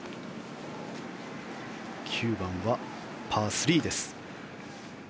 ９番はパー３です。